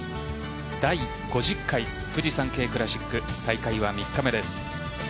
第５０回フジサンケイクラシック大会は３日目です。